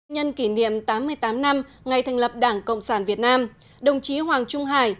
nhân kỷ niệm tám mươi tám năm ngày thành lập đảng cộng sản việt nam đồng chí hoàng trung hải